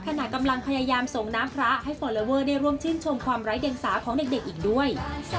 ขณะกำลังพยายามส่งน้ำพระให้ฟอลเลอเวอร์ได้ร่วมชื่นชมความไร้เดียงสาของเด็กอีกด้วย